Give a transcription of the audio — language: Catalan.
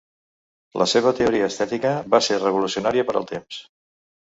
La seva teoria estètica va ser revolucionària per al temps.